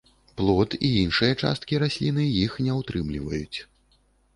Плод і іншыя часткі расліны іх не ўтрымліваюць.